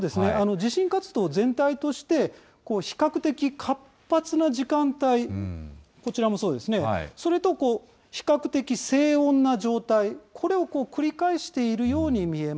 地震活動全体として、比較的活発な時間帯、こちらもそうですね、それとこう、比較的静穏な状態、これを繰り返しているように見えます。